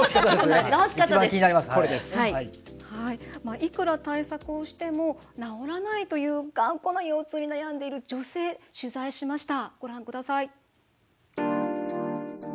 いくら対策をしても治らないという頑固な腰痛に悩んでいる女性、取材しました。